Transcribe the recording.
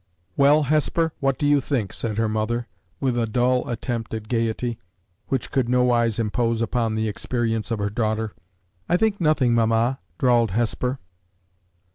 "Well, Hesper, what do you think?" said her mother, with a dull attempt at gayety, which could nowise impose upon the experience of her daughter. "I think nothing, mamma," drawled Hesper.